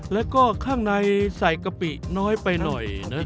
และก็ข้างในใส่กะปิน้อยไปหน่อย